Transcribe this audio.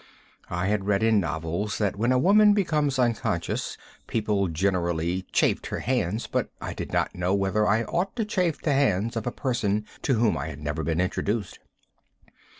I had read in novels that when a woman became unconscious people generally chafed her hands, but I did not know whether I ought to chafe the hands of a person to whom I had never been introduced.